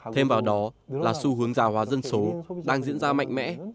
thêm vào đó là xu hướng già hóa dân số đang diễn ra mạnh mẽ